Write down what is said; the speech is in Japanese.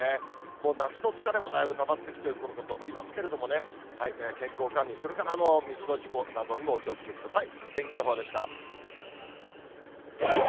もう夏の疲れもだいぶたまってきているころかと思いますけれどもね、健康管理、それから水の事故などにもお気をつけください。